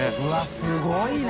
Δすごいね！